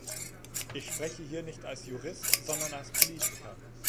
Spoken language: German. Ich spreche hier nicht als Jurist, sondern als Politiker.